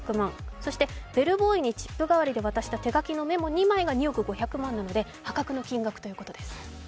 そしてベルボーイにチップ代わりで手書きで渡した手紙が２億５００万なので破格の金額ということです。